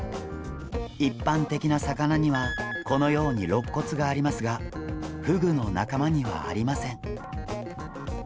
一般的な魚にはこのようにろっ骨がありますがフグの仲間にはありません。